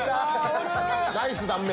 ナイス断面！